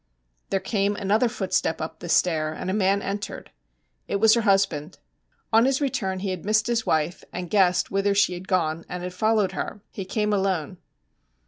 There came another footstep up the stair, and a man entered. It was her husband. On his return he had missed his wife, and guessed whither she had gone, and had followed her. He came alone.